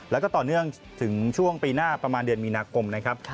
แล้วก็ต่อเนื่องถึงช่วงปีหน้าประมาณเดือนมีนาคมนะครับ